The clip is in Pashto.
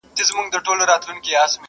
لا ایله وه رسېدلې تر بازاره!!